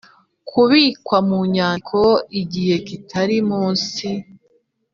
kubikwa mu nyandiko igihe kitari munsi